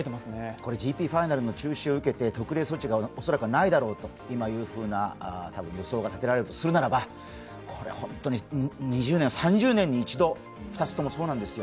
これＧＰファイナルの出場を受けて特例措置が恐らくないだろうというふうな予想が立てられるとするならばこれは本当に２０年、３０年に一度、２つともそうなんですよ。